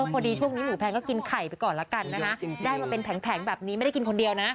พอดีช่วงนี้หมูแพงก็กินไข่ไปก่อนละกันนะคะได้มาเป็นแผงแบบนี้ไม่ได้กินคนเดียวนะ